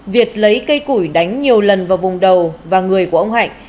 việt lấy cây củi đánh nhiều lần vào vùng đầu và người của ông hạnh